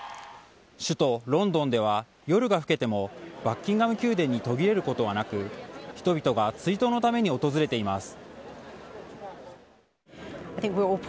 首都・ロンドンでは夜が更けてもバッキンガム宮殿に途切れることはなく人々が追悼のために訪れています。